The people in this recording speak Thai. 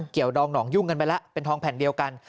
ดองหนองยุ่งกันไปแล้วเป็นทองแผ่นเดียวกัน